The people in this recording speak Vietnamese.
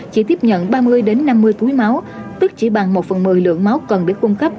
chỉ tiếp nhận ba mươi năm mươi túi máu tức chỉ bằng một phần một mươi lượng máu cần được cung cấp